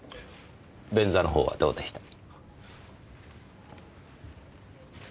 便座のほうはどうでした？